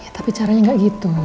ya tapi caranya gak gitu